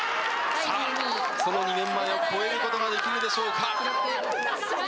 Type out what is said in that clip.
さあ、その２年前を超えることができるでしょうか。